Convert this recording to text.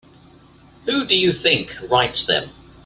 Who do you think writes them?